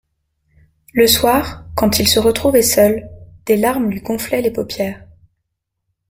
Le soir, quand il se retrouvait seul, des larmes lui gonflaient les paupières.